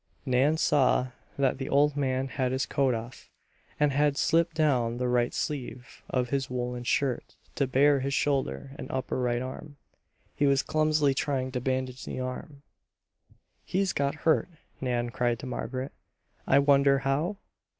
Nan saw that the old man had his coat off, and had slipped down the right sleeve of his woolen shirt to bare his shoulder and upper right arm. He was clumsily trying to bandage the arm. "He's got hurt," Nan cried to Margaret. "I wonder how?"